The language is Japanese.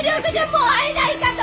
もう会えないかと。